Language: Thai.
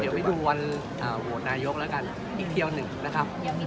จะเริ่มแข็งใจคะ